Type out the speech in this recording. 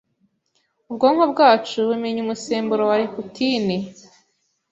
ubwonko bwacu bumenya umusemburo wa leputine